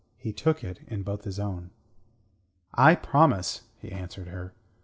He took it in both his own. "I promise," he answered her.